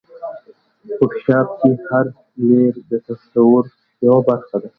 فوټوشاپ کې هر لېیر د تصور یوه برخه ده.